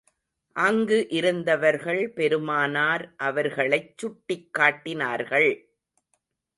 அங்கு இருந்தவர்கள், பெருமானார் அவர்களைச் சுட்டிக் காட்டினார்கள்.